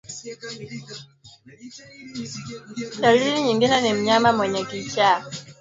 Dalili nyingine ni mnyama mwenye kichaa hushambulia wanyama wengine bila sababu